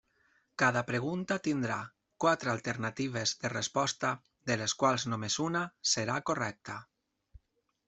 Cada pregunta tindrà quatre alternatives de resposta de les quals només una serà correcta.